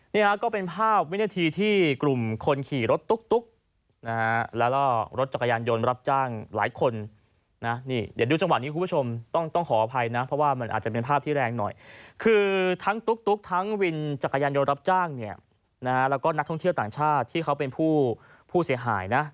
นี่ฮะก็เป็นภาพวินาทีที่กลุ่มคนขี่รถตุ๊กนะฮะแล้วก็รถจักรยานยนต์รับจ้างหลายคนนะนี่เดี๋ยวดูจังหวะนี้คุณผู้ชมต้องต้องขออภัยนะเพราะว่ามันอาจจะเป็นภาพที่แรงหน่อยคือทั้งตุ๊กทั้งวินจักรยานยนต์รับจ้างเนี่ยนะฮะแล้วก็นักท่องเที่ยวต่างชาติที่เขาเป็นผู้ผู้เสียหายนะ